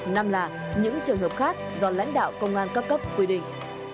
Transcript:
năm là những trường hợp khác do lãnh đạo công an cấp cấp quy định